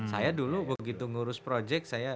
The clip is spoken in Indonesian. saya dulu begitu ngurus project saya